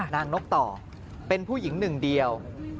นกต่อเป็นผู้หญิงหนึ่งเดียว